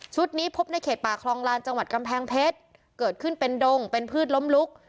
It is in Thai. นี้พบในเขตป่าคลองลานจังหวัดกำแพงเพชรเกิดขึ้นเป็นดงเป็นพืชล้มลุก